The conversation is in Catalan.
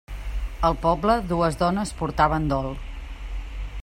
Al poble dues dones portaven dol.